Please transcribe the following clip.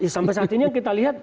sampai saat ini yang kita lihat